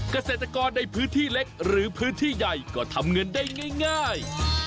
เกษตรกรในพื้นที่เล็กหรือพื้นที่ใหญ่ก็ทำเงินได้ง่าย